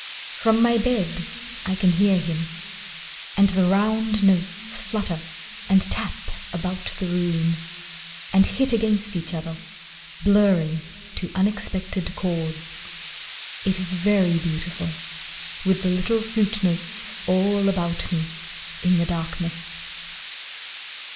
From my bed I can hear him, And the round notes flutter and tap about the room, And hit against each other, Blurring to unexpected chords. It is very beautiful, With the little flute notes all about me, In the darkness.